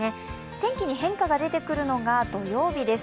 天気に変化が出てくるのが土曜日です。